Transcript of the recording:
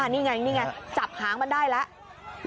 นี่ไงนี่ไงจับหางมันได้แล้ว